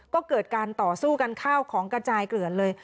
ก็เกิดการต่อสู้กันข้าวของกระจายเกลือนเลย